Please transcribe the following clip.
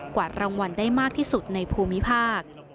วาดรางวัลได้มากที่สุดในภูมิภาค